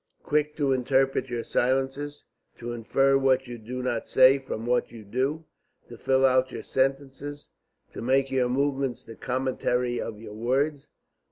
Quick to interpret your silences, to infer what you do not say from what you do, to fill out your sentences, to make your movements the commentary of your words?